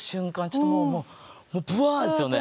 ちょっともうもうブワッですよね。